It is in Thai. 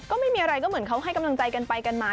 ก็ไม่มีอะไรก็เหมือนเขาให้กำลังใจกันไปกันมา